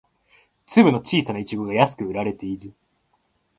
粒の小さなイチゴが安く売られている